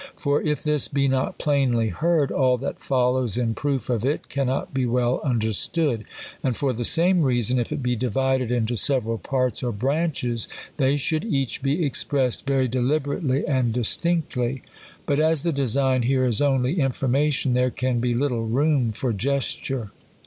For if this be not plainly heard, all that follows in proof of it cannot be well'understood. And for the same reason, if it be divided into several parts or branches, they should each be expressed very deliberately and dis tinctly. But as the design here is only information, there can be little room for gesture.